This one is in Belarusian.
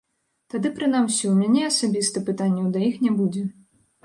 Тады прынамсі ў мяне асабіста пытанняў да іх не будзе.